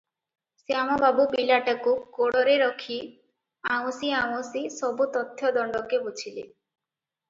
ଶ୍ୟାମବାବୁ ପିଲାଟାକୁ କୋଡ଼ରେ ରଖି ଆଉଁଶି ଆଉଁଶି ସବୁ ତଥ୍ୟ ଦଣ୍ଡକେ ବୁଝିଲେ ।